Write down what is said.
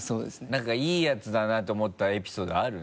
なんかいいやつだなと思ったエピソードある？